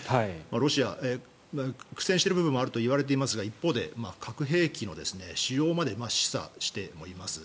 ロシア、苦戦している部分もあるといわれていますが一方で核兵器の使用まで示唆しています。